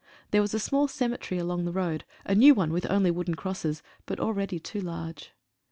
There was a small cemetery along the road, a new one with only wooden crosses, but already too large.